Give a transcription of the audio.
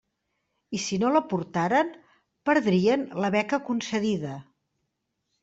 I si no l'aportaren, perdrien la beca concedida.